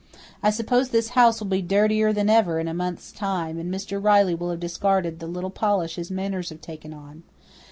I suppose this house will be dirtier than ever in a month's time, and Mr. Riley will have discarded the little polish his manners have taken on.